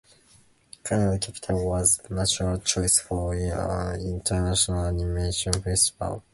Canada's capital was a natural choice for an international animation festival.